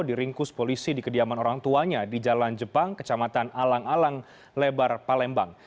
diringkus polisi di kediaman orang tuanya di jalan jepang kecamatan alang alang lebar palembang